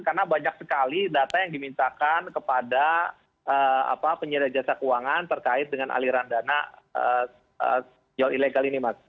karena banyak sekali data yang diminta kepada penyelidikan jasa keuangan terkait dengan aliran dana pinjol ilegal ini mas